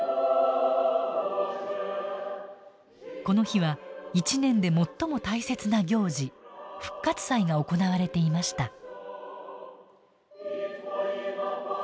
この日は一年で最も大切な行事復活祭が行われていました。